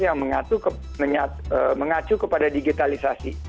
yang mengacu kepada digitalisasi